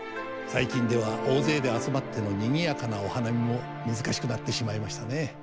最近では大勢で集まってのにぎやかなお花見も難しくなってしまいましたね。